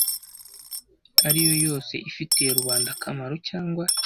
ariyo yose ifitiye rubanda akamaro cyangwa